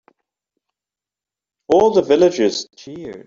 All the villagers cheered.